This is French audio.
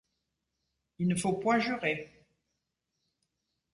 Il ne faut point jurer.